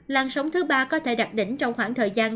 làn sóng thứ ba có thể đặt đỉnh trong khoảng thời gian